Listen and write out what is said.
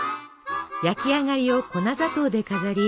焼き上がりを粉砂糖で飾り